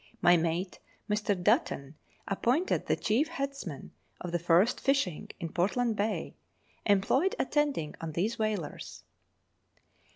My mate, Mr. Dutton, appointed the chief headsman of the first fishing in Portland Bay ; employed attending on these whalers.